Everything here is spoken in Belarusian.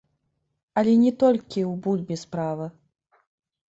Але не толькі ў бульбе справа.